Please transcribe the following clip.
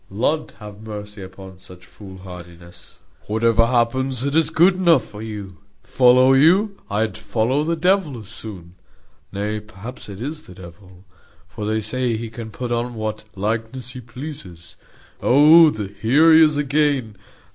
Lud have mercy upon such fool hardiness! Whatever happens, it is good enough for you. Follow you? I'd follow the devil as soon. Nay, perhaps it is the devil for they say he can put on what likeness he pleases. Oh! here he is again.